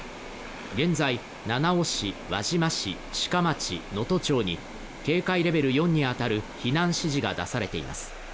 現在、七尾市、輪島市、志賀町、能登町に警戒レベル４に当たる避難指示が出されています。